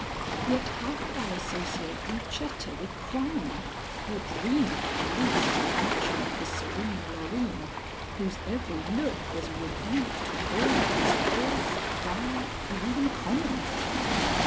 Yet how could I associate Lucetta with crime, or dream of the police in connection with the serene Loreen, whose every look was a rebuke to all that was false, vile, or even common?